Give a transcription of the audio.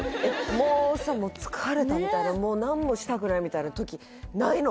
もうさ疲れたみたいな何もしたくないみたいな時ないの？